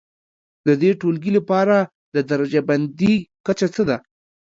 د دې ټولګي لپاره د درجه بندي کچه څه ده؟